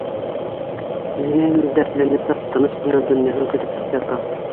Үҙенән-үҙе дәртләнеп тып-тыныс ҡына донъяһын көтөп тик ята.